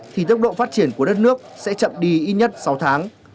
thì tốc độ phát triển của đất nước sẽ chậm đi ít nhất sáu tháng